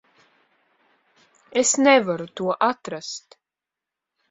Es nevaru to atrast.